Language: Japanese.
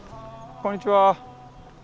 こんにちは。